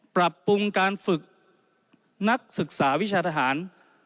ปรับปรุงการฝึกนักศึกษาวิชาทหาร